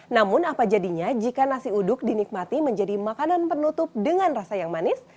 namun apa jadinya jika nasi uduk dinikmati menjadi makanan penutup dengan rasa yang manis